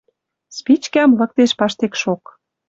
Спичкӓм лыктеш паштекшок.